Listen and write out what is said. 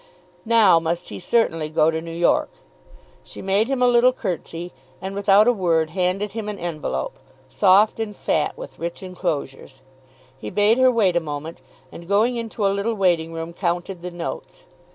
Now must he certainly go to New York. She made him a little curtsey, and without a word handed him an envelope, soft and fat with rich enclosures. He bade her wait a moment, and going into a little waiting room counted the notes.